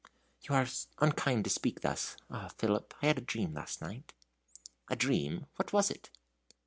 "You are unkind to speak thus. Ah, Philip, I had a dream last night." "A dream what was it?"